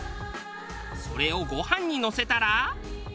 それをご飯にのせたら。